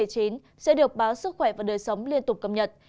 sẽ được báo sức khỏe và đời sống liên tục cập nhật